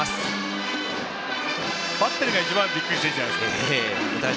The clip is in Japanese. バッテリーが一番びっくりしているんじゃないですか。